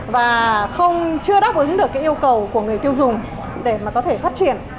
và không chưa đáp ứng được cái yêu cầu của người tiêu dùng để mà có thể phát triển